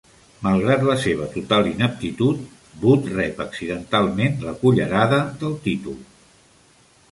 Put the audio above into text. Malgrat la seva total ineptitud, Boot rep accidentalment la "cullerada" del títol.